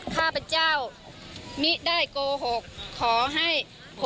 สาโชค